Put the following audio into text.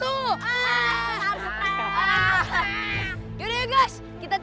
harus belajar sama orang stress